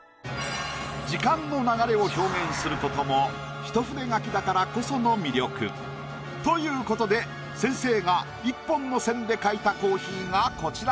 時間の流れを表現することも一筆書きだからこその魅力。ということで先生が１本の線で描いたコーヒーがこちら。